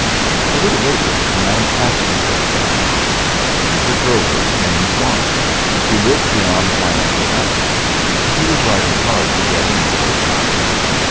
A little later a man passed us at a gallop. He was a drover named Marks, who lived beyond my Uncle Abner, and he was riding hard to get in before night.